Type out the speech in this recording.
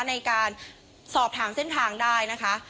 ในการสอบถามเส้นทางได้นะคะ